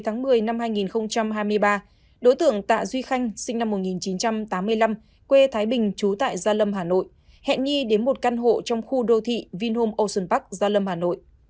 ngày một mươi năm hai nghìn hai mươi ba đối tượng tạ duy khanh sinh năm một nghìn chín trăm tám mươi năm quê thái bình trú tại gia lâm hà nội hẹn nhi đến một căn hộ trong khu đô thị vinhome ocean park gia lâm hà nội